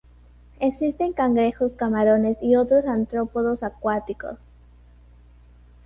Existen cangrejos, camarones, y otros artrópodos acuáticos.